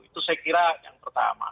itu saya kira yang pertama